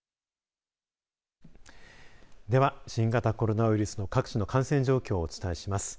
では、新型コロナウイルスの各地の感染状況をお伝えします。